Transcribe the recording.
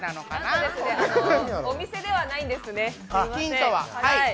お店ではないんですね、ヒントは。